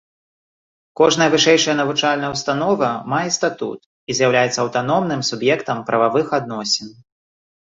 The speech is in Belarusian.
Кожная вышэйшая навучальная ўстанова мае статут і з'яўляецца аўтаномным суб'ектам прававых адносін.